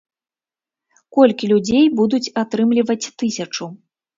Колькі людзей будуць атрымліваць тысячу?